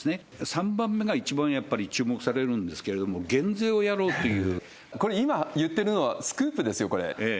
３番目が一番やっぱり注目されるんですけれども、減税をやろうとこれ、今言ってるのはスクープですよ、これ。